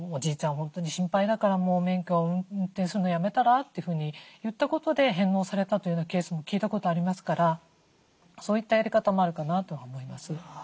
本当に心配だからもう免許運転するのやめたら？」というふうに言ったことで返納されたというケースも聞いたことありますからそういったやり方もあるかなとは思います。